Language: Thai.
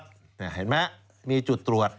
เจ็บมั้ยมีจุดตรวจ